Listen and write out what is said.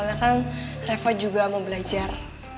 soalnya kan revo juga mau belajar